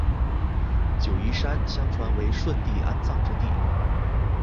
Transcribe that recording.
九嶷山相传为舜帝安葬之地。